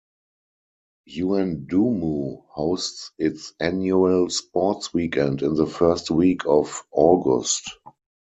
Yuendumu hosts its annual sports weekend in the first week of August.